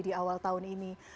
di awal tahun ini